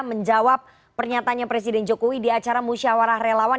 menjawab pernyatanya presiden jokowi di acara musyawarah relawan